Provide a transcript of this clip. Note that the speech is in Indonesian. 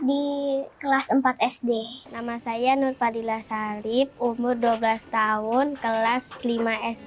di kelas empat sd nama saya nur fadilah salib umur dua belas tahun kelas lima sd